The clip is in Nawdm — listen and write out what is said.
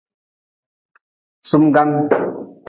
Sumgan.